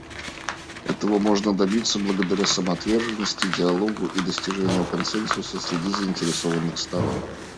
Этого можно добиться благодаря самоотверженности, диалогу и достижению консенсуса среди заинтересованных сторон.